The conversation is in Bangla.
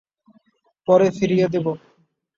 পরে ফিরিয়ে দিব।